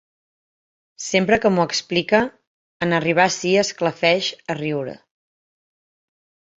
Sempre que m'ho explica, en arribar ací esclafeix a riure.